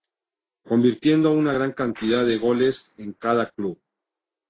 Convirtiendo una gran cantidad de goles en cada club.